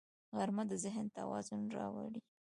غرمه د ذهن توازن راوړي